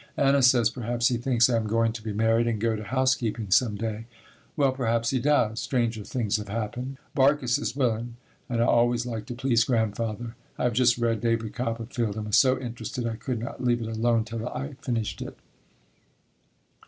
Anna says perhaps he thinks I am going to be married and go to housekeeping some day. Well, perhaps he does. Stranger things have happened. "Barkis is willin'," and I always like to please Grandfather. I have just read David Copperfield and was so interested I could not leave it alone till I finished it.